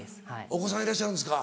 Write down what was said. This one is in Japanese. お子さんいらっしゃるんですか？